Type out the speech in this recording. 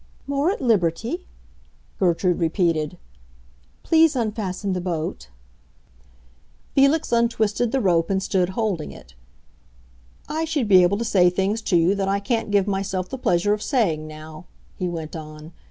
"More at liberty?" Gertrude repeated. "Please unfasten the boat." Felix untwisted the rope and stood holding it. "I should be able to say things to you that I can't give myself the pleasure of saying now," he went on.